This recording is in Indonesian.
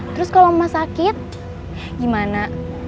terus kalau rumah sakit gimana